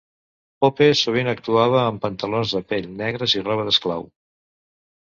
Pope sovint actuava en pantalons de pell negres i roba d'esclau.